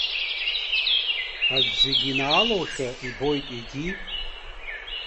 Аӡә зегьы инаалошәа ибоит, егьи.